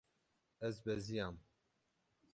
Ez beziyam.